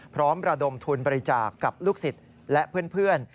ระดมทุนบริจาคกับลูกศิษย์และเพื่อน